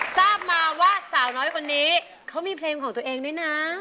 ทราบมาว่าสาวน้อยคนนี้เขามีเพลงของตัวเองด้วยนะ